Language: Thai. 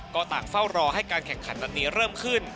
ก็ต่างเฝ้ารอให้การแข่งขันนัดนี้เริ่มขึ้น